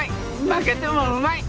負けてもうまい。